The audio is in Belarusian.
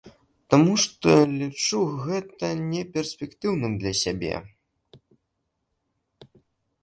Таму што лічу гэта не перспектыўным для сябе.